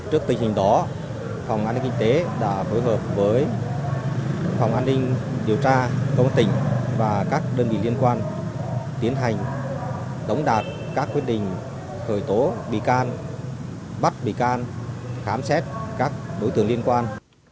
trước tình hình đó phòng an ninh kinh tế đã phối hợp với phòng an ninh điều tra công an tỉnh và các đơn vị liên quan tiến hành tống đạt các quyết định khởi tố bị can bắt bị can khám xét các đối tượng liên quan